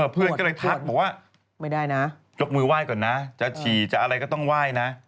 เพื่อนก็เลยทักบอกว่าไม่ได้นะยกมือไหว้ก่อนนะจะฉี่จะอะไรก็ต้องไหว้นะ